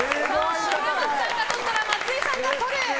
上松さんがとったら松井さんがとる！